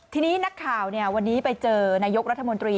ทีนี้นักข่าววันนี้ไปเจอนายกรัฐมนตรี